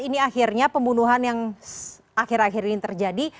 ini akhirnya pembunuhan yang akhir akhir ini terjadi